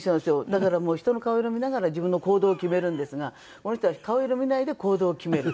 だから人の顔色見ながら自分の行動を決めるんですがこの人は顔色を見ないで行動を決める。